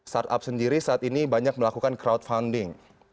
startup sendiri saat ini banyak melakukan crowdfunding